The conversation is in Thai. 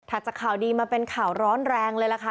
จากข่าวดีมาเป็นข่าวร้อนแรงเลยล่ะค่ะ